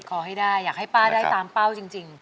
ขอให้ได้อยากให้ป้าได้ตามเป้าจริง